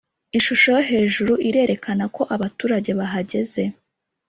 Ishusho yo hejuru irerekana ko abaturage bahageze